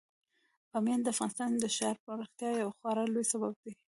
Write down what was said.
بامیان د افغانستان د ښاري پراختیا یو خورا لوی سبب دی.